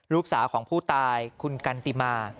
ลูกสาวของผู้ตายคุณกันติมา